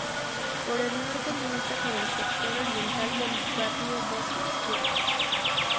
Por el norte limita con el sector oriental del barrio Bosque Izquierdo.